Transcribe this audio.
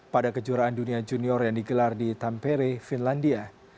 pada kejuaraan dunia junior yang digelar di tampere finlandia